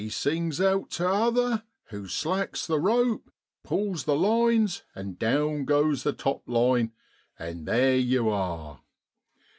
sings out to the t'other, who slacks the rope, pulls the lines, and down goes the top line, and there you are.